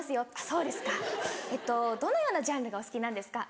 「そうですかどのようなジャンルがお好きなんですか？」。